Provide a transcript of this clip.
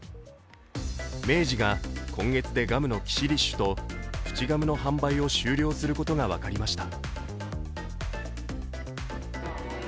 明治が今月でガムのキシリッシュとプチガムの販売を終了することが分かりました。